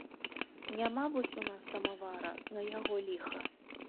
Няма вось у нас самавара, на яго ліха.